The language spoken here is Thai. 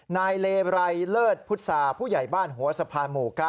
นายเลไรเลิศพุษาผู้ใหญ่บ้านหัวสะพานหมู่๙